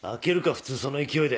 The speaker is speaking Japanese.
普通その勢いで。